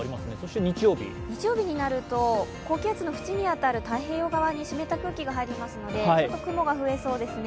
日曜日になると高気圧に縁に当たる太平洋側に湿った空気が入りますので、ちょっと雲が増えそうですね。